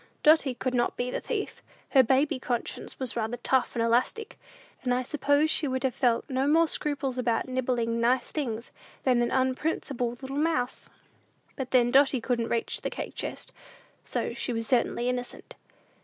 Dotty could not be the thief. Her baby conscience was rather tough and elastic, and I suppose she would have felt no more scruples about nibbling nice things, than an unprincipled little mouse. But, then Dotty couldn't reach the cake chest; so she was certainly innocent.